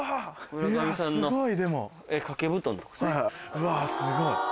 うわすごい。